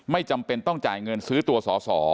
จำเป็นต้องจ่ายเงินซื้อตัวสอสอ